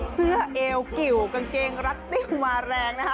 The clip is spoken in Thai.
เสื้อเอลกิ๋วกางเกงรัตติ้งมาแรงนะคะ